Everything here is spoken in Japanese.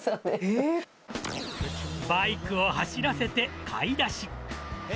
バイクを走らせて買い出し。